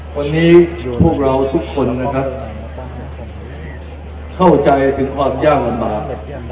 วันนี้พวกเราทุกคนนะครับเข้าใจถึงความยากลำบาก